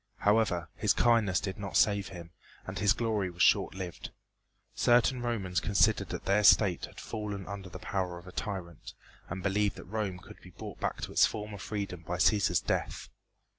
However, his kindness did not save him, and his glory was short lived. Certain Romans considered that their state had fallen under the power of a tyrant, and believed that Rome could be brought back to its former freedom by Cæsar's death.